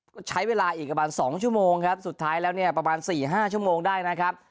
ก็ใช้เวลาอีกประมาณ๒ชั่วโมงครับสุดท้ายแล้วเนี่ยประมาณ๔๕ชั่วโมงได้นะครับ